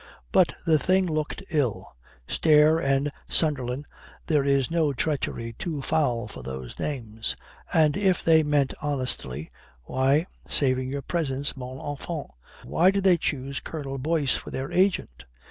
But the thing looked ill. Stair and Sunderland there is no treachery too foul for those names. And if they meant honestly, why saving your presence, mon enfant why did they choose Colonel Boyce for their agent?